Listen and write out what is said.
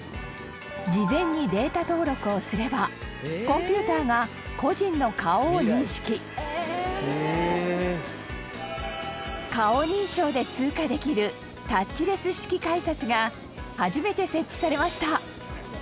事前にデータ登録をすればコンピューターが個人の顔を認識顔認証で通過できるタッチレス式改札が初めて設置されました太田：